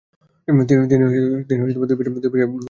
তিনি দুই বছর এই পদে আসীন থাকেন।